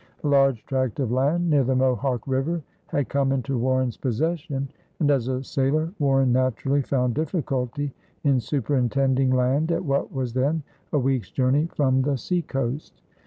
A large tract of land near the Mohawk River had come into Warren's possession, and as a sailor Warren naturally found difficulty in superintending land at what was then a week's journey from the seacoast.